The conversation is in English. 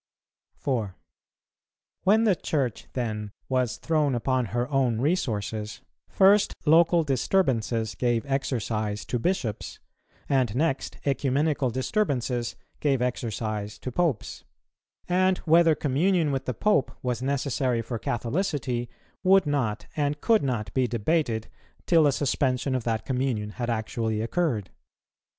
4. When the Church, then, was thrown upon her own resources, first local disturbances gave exercise to Bishops, and next ecumenical disturbances gave exercise to Popes; and whether communion with the Pope was necessary for Catholicity would not and could not be debated till a suspension of that communion had actually occurred.